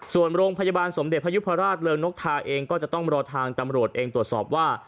ส่วนโรงพยาบาลสมเด็จพยุพราชเริงนกทาเองก็จะต้องรอทางตำรวจเองตรวจสอบว่า